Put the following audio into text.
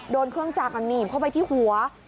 โดนเครื่องจักรหนีบเข้าไปที่หัว